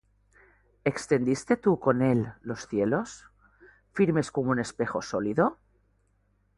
¿Extendiste tú con él los cielos, Firmes como un espejo sólido?